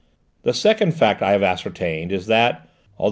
The second fact I have ascertained is that, although M.